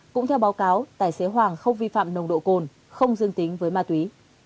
cũng theo báo cáo tài xế hoàng không vi phạm nồng độ cồn không dương tính với ma túy